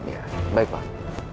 ya baik pak